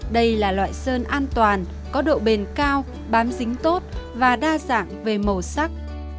đây là loại sơn an toàn có độ bền cao bám dính tốt và đa dạng về màu sắc